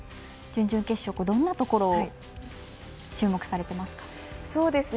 準々決勝どんなところを注目されていますか？